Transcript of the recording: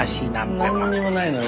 何にもないのよ。